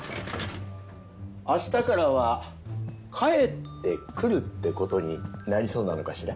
あしたからは帰ってくるってことになりそうなのかしら？